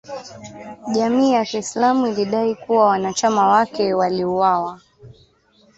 Jamii ya Kiislamu ilidai kuwa wanachama wake waliwauwa